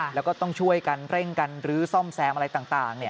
แล้วก็ต้องช่วยกันเร่งกันรื้อซ่อมแซมอะไรต่าง